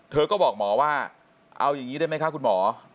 เธอก็บอกหมอว่าเอาอย่างนี้ได้ไหมคะคุณหมอ